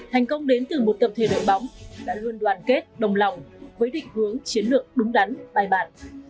thành công đến từ một tập thể đội bóng đã luôn đoàn kết đồng lòng với định hướng chiến lược đúng đắn bài bản